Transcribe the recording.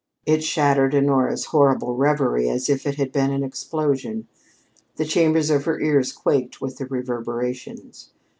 It shattered Honora's horrible reverie as if it had been an explosion. The chambers of her ears quaked with the reverberations.